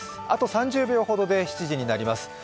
あと３０秒ほどで７時になります。